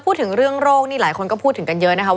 พูดถึงเรื่องโรคนี่หลายคนก็พูดถึงกันเยอะนะคะ